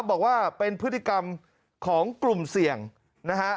บอกว่าเป็นพฤติกรรมของกลุ่มเสี่ยงนะฮะ